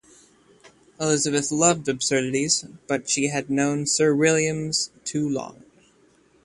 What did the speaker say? Elizabeth loved absurdities, but she had known Sir William's too long.